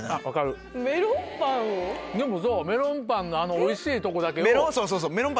でもそうメロンパンのあのおいしいとこだけを。そうそう。